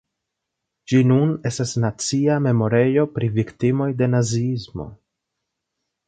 Ĝi nun estas nacia memorejo pri viktimoj de naziismo.